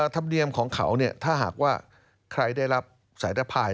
ธรรมเนียมของเขาถ้าหากว่าใครได้รับสายทภาย